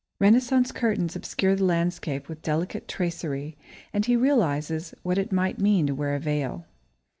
Renaissance curtains obscure the landscape with delicate tracery, and he realises what it might mean to wear a veil.